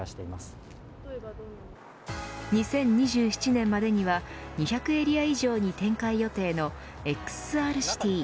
２０２７年までには２００エリア以上に展開予定のＸＲＣｉｔｙ。